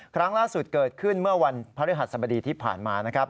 ครั้งล่าสุดเกิดขึ้นเมื่อวันพระฤหัสบดีที่ผ่านมานะครับ